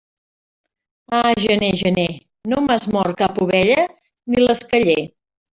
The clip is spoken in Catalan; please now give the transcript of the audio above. Ah, gener, gener, no m'has mort cap ovella ni l'esqueller.